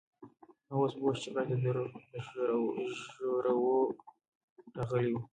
هغه اوس پوه شو چې غږ د ده د روح له ژورو راغلی و.